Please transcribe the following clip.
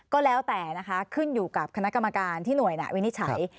ก็แล้วแต่นะคะขึ้นอยู่กับคณะกรรมการที่หน่วยวินิจฉัย